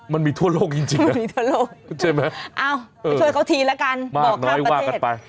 มันมีทั่วโลกจริงน่ะใช่ไหมมาช่วยเขาทีละกันบอกครับประเทศมากน้อยว่ากันไป